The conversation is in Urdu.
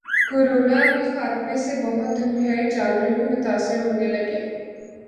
’کورونا ابھی خاتمے سے بہت دور ہے‘ جانور بھی متاثر ہونے لگے